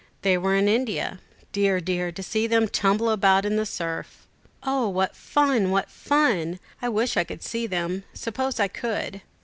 They were in India. Dear, dear, to see them tumble about in the surf!" "O, what fun! what fun! I wish I could see them. Suppose I could."